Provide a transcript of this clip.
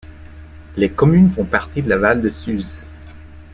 Les communes font partie de la Val de Suse.